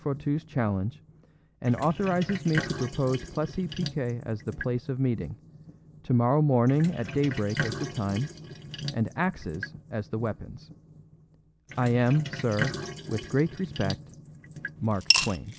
Fourtou's challenge, and authorizes me to propose Plessis Piquet as the place of meeting; tomorrow morning at daybreak as the time; and axes as the weapons. I am, sir, with great respect, Mark Twain.